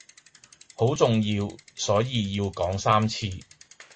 好重要所以要講三次